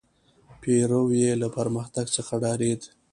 پیرو یې له پرمختګ څخه ډارېد.